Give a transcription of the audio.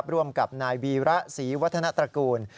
ร่วมกับนายวีระศรีวัฒนตระกูล